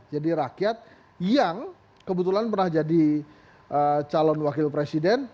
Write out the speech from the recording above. jadi rakyat yang kebetulan pernah jadi calon wakil presiden